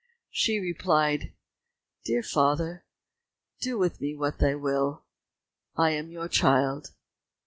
She replied, "Dear father, do with me what you will, I am your child."